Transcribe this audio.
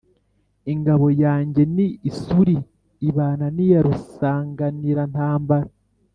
Ingabo yanjye ni isuli ibana n’iya Rusanganirantambara,